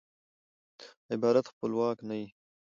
عبارت خپلواک نه يي.